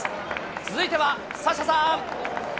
続いてはサッシャさん。